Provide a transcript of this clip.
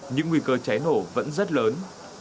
những nguy cơ cháy nổ vẫn rất lớn